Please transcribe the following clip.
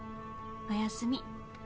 おやすみ。